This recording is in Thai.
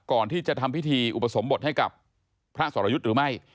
ก่อนที่จะทำพิธีอุปสมบทให้กับพระสรยุทธ์หรือไม่